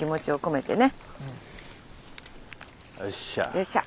よっしゃ。